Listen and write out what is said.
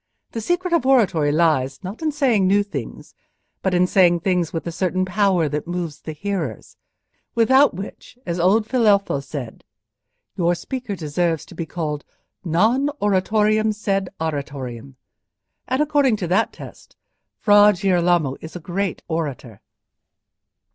The secret of oratory lies, not in saying new things, but in saying things with a certain power that moves the hearers—without which, as old Filelfo has said, your speaker deserves to be called, 'non oratorem, sed aratorem.' And, according to that test, Fra Girolamo is a great orator."